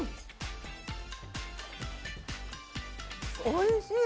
おいしい！